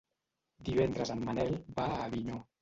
Divendres en Manel va a Avinyó.